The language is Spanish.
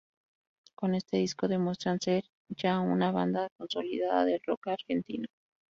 Con este disco demuestran ser ya una banda consolidada del rock argentino.